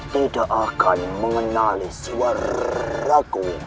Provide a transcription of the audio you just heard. tidak akan mengenali suara ragu